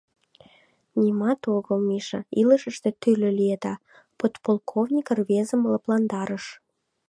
— Нимат огыл, Миша, илышыште тӱрлӧ лиеда... — подполковник рвезым лыпландарыш.